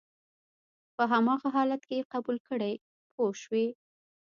په هماغه حالت کې یې قبول کړئ پوه شوې!.